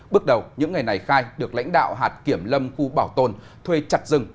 bước đầu những ngày này khai được lãnh đạo hạt kiểm lâm khu bảo tồn thuê chặt rừng